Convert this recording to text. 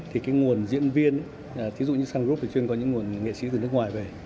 thì nguồn diễn viên thí dụ như sun group chuyên có những nguồn nghệ sĩ từ nước ngoài về